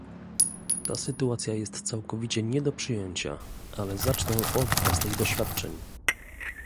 Ta sytuacja jest całkowicie nie do przyjęcia, ale zacznę od własnych doświadczeń